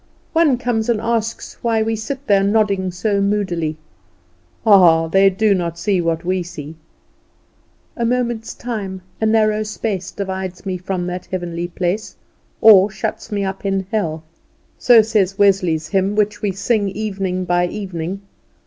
One comes and asks why we sit there nodding so moodily. Ah, they do not see what we see. "A moment's time, a narrow space, Divides me from that heavenly place, Or shuts me up in hell." So says Wesley's hymn, which we sing evening by evening.